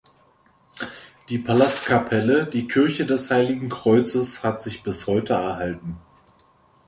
Die Palastkapelle, die Kirche des heiligen Kreuzes hat sich bis heute erhalten.